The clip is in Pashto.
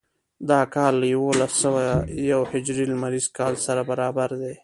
دا کال له یوولس سوه یو هجري لمریز کال سره برابر دی.